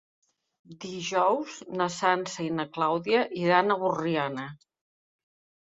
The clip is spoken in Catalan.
Dijous na Sança i na Clàudia iran a Borriana.